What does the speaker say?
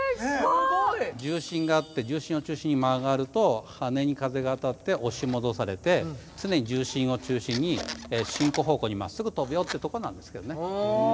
すごい！重心があって重心を中心に曲がると羽根に風があたって押し戻されて常に重心を中心に進行方向にまっすぐ飛ぶよってとこなんですけどね。